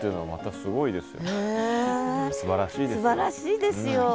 すばらしいですよ。